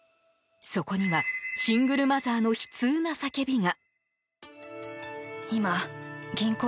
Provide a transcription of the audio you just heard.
そこにはシングルマザーの悲痛な叫びが。